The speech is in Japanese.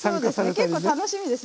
結構ね楽しみです。